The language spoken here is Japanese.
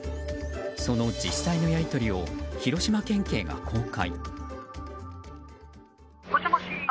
その実際のやり取りを広島県警が公開。